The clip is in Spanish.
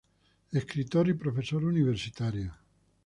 Escritor y profesor universitario.